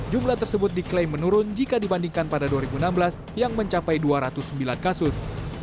jumlah tersebut diklaim menurun jika dibandingkan pada dua ribu enam belas yang mencapai dua ratus sembilan kasus